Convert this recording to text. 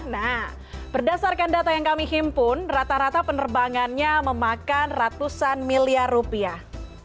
nah berdasarkan data yang kami himpun rata rata penerbangannya memakan ratusan miliar rupiah